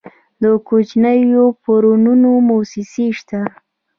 د کوچنیو پورونو موسسې شته؟